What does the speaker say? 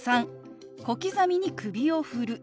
３小刻みに首を振る。